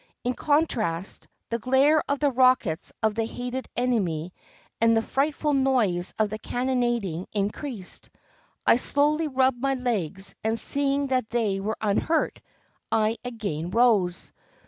In contrast, the glare of the rockets of the hated enemy and the frightful noise of the cannonading in creased. I slowly rubbed my legs, and, seeing that they were unhurt, I again rose.